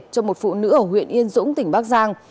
cho một phụ nữ ở huyện yên dũng tỉnh bắc giang